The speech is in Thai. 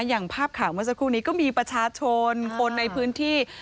อย่างภาพข่าวเมื่อสักครู่นี้ก็มีประชาชนคนในพื้นที่